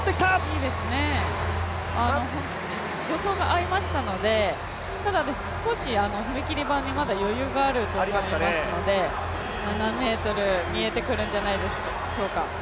いいですね、助走が合いましたので、ただ、少し踏み切り板にまだ余裕があると思いますので７ｍ、見えてくるんじゃないでしょうか。